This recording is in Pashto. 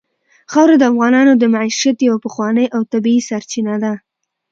خاوره د افغانانو د معیشت یوه پخوانۍ او طبیعي سرچینه ده.